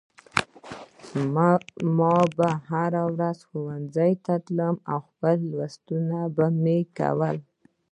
ما به هره ورځ ښوونځي ته تلم او خپل لوستونه به مې کول